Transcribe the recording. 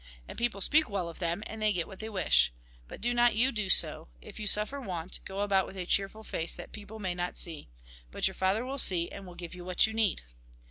And people speak well of them, and they get what they wish. But do not you do so ; if you suffer want, go about with a cheerful face, that people may not see. But your Father will see, and will give you what you need.